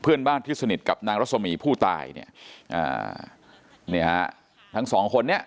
เพื่อนบ้านที่สนิทกับนางรสมีผู้ตายเนี่ยอ่าเนี่ยฮะทั้งสองคนนี้